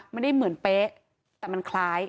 ไม่ได้เหมือนเป๊ะแต่มันคล้าย